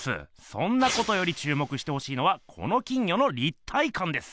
そんなことよりちゅうもくしてほしいのはこの金魚の立体かんです。